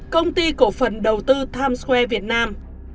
công ty cổ phần đầu tư times square việt nam